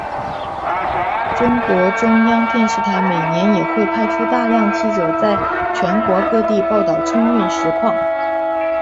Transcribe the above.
中国中央电视台每年也会派出大量记者在全国各地报道春运实况。